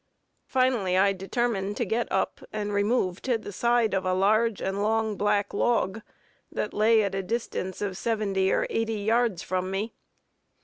Finally I determined to get up, and remove to the side of a large and long black log, that lay at the distance of seventy or eighty yards from me.